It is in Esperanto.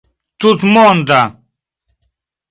tutmonda